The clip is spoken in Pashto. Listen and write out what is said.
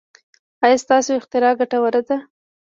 ایا ستاسو اختراع ګټوره ده؟